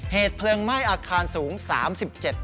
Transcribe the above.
เหตุเพลิงไหม้อาคารสูง๓๗